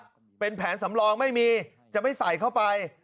สมมวิที่แผนสำรองไม่มีจะไม่ใส่เข้าไป